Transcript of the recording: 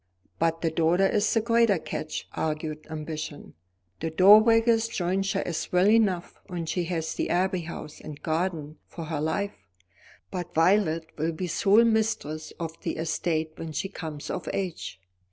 "But the daughter is the greater catch," urged Ambition. "The dowager's jointure is well enough, and she has the Abbey House and gardens for her life, but Violet will be sole mistress of the estate when she comes of age.